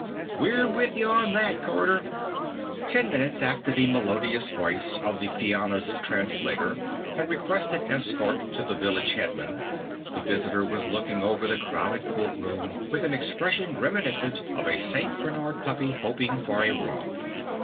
"We're with you on that, Carter!" Ten minutes after the melodious voice of the Fianna's translator had requested escort to the village headman, the visitor was looking over the crowded courtroom with an expression reminiscent of a St. Bernard puppy hoping for a romp.